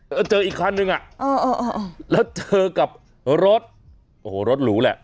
แล้วเจออีกคันนึงอ่ะแล้วเจอกับรถโอ้โหรถหรูแหละ